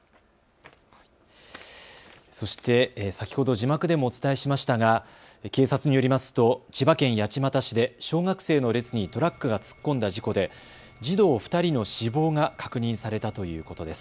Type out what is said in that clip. そして先ほど字幕でもお伝えしましたが警察によりますと千葉県八街市で小学生の列にトラックが突っ込んだ事故で児童２人の死亡が確認されたということです。